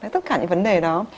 tất cả những vấn đề đó